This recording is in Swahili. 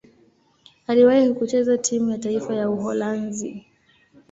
Aliwahi kucheza timu ya taifa ya Uholanzi.